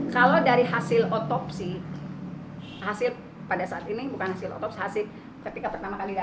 kalau dari hasil otopsi hasil pada saat ini bukan hasil otopsi ketika pertama kali datang